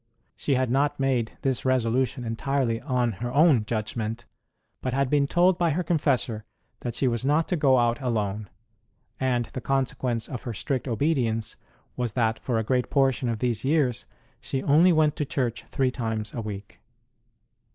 She had not made this resolution entirely on her own judgment, but had been told by her confessor that she was not to go out alone ; and the consequence of her strict obedience was that for a great portion of these years she only went to church three times a week.